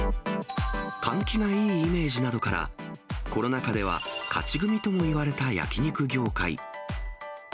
換気がいいイメージなどから、コロナ禍では勝ち組ともいわれた焼き肉業界。